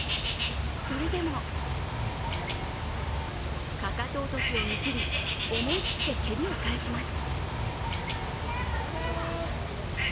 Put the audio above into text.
それでもかかと落としを見切り、思い切って蹴りを返します。